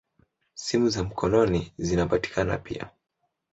Simu za mkono zinapatikana pia.